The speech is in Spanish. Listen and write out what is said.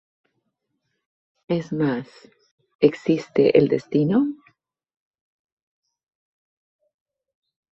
Es más: ¿existe el Destino?